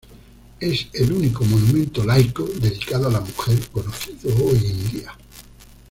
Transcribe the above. Es el único monumento laico, dedicado a la mujer, conocido hoy en día.